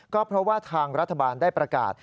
ก็เพราะว่าทางรัฐบาลได้ประกาศ